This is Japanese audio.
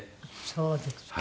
そうですか。